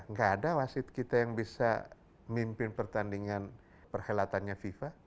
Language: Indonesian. nggak ada wasit kita yang bisa mimpin pertandingan perhelatannya fifa